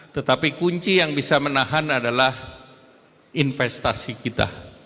tetapi kunci yang bisa menahan adalah investasi kita